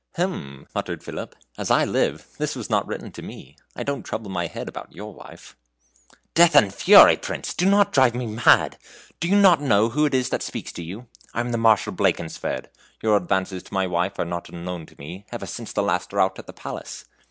"Hem!" muttered Philip. "As I live, this was not written to me. I don't trouble my head about your wife." "Death and fury, Prince! do not drive me mad! Do you know who it is that speaks to you? I am the Marshal Blankenswerd. Your advances to my wife are not unknown to me, ever since the last rout at the palace."